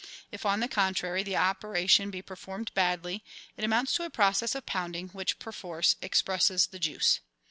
If, on the contrary, the operation be per formed badly, it amounts to a process of pounding which, per force, expresses the juice.